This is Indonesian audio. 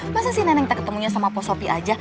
masa si nenek kita ketemunya sama pok sopi aja